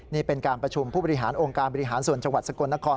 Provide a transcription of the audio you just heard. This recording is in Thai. นี่เป็นการประชุมผู้บริหารองค์การบริหารส่วนจังหวัดสกลนคร